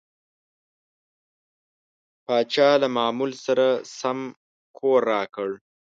پاچا له معمول سره سم کور راکړ.